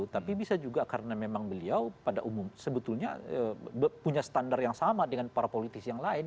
tapi bisa juga karena memang beliau pada umum sebetulnya punya standar yang sama dengan para politisi yang lain